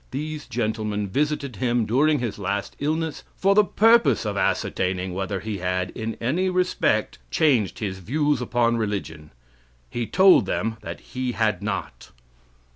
These gentlemen visited him during his last illness for the purpose of ascertaining whether he had, in any respect, changed his views upon religion. He told them that he had not.